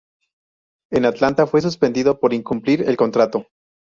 En Atlanta fue suspendido por incumplir el contrato.